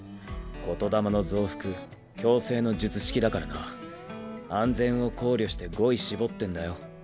言霊の増幅強制の術式だからな安全を考慮して語彙絞ってんだよ。